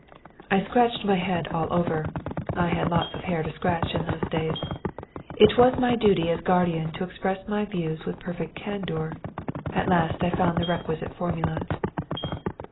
I scratched my head all over (I had lots of hair to scratch in those days). It was my duty as guardian to express my views with perfect candour. At last I found the requisite formula.